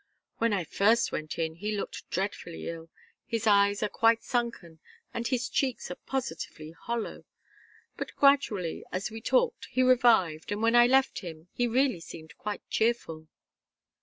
"When I first went in, he looked dreadfully ill. His eyes are quite sunken and his cheeks are positively hollow. But gradually, as we talked, he revived, and when I left him he really seemed quite cheerful."